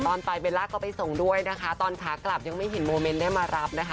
ตอนไปเบลล่าก็ไปส่งด้วยนะคะตอนขากลับยังไม่เห็นโมเมนต์ได้มารับนะคะ